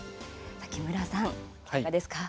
木村さん、いかがですか？